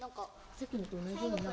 さっきのと同じような。